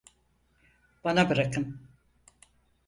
Bana bırakın!